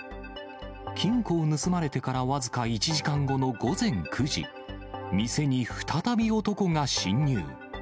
金庫を盗まれてから僅か１時間後の午前９時、店に再び男が侵入。